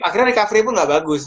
akhirnya recovery pun gak bagus